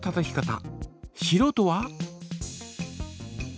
しろうとは？